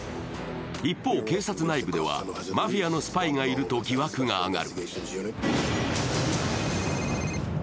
一方、警察内部ではマフィアのスパイがいると疑惑が上がる。